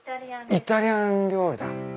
イタリアン料理だ。